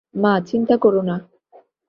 মা, চিন্তা করো না।